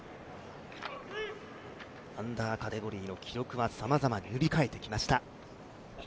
アンダーカテゴリーの記録は様々塗り替えてきました。